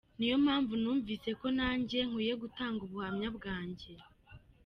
Niyo mpamvu numvise ko nanjye nkwiye gutanga ubuhamya bwanjye.